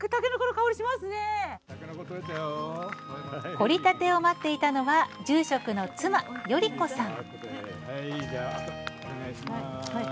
掘りたてを待っていたのは住職の妻、順子さん。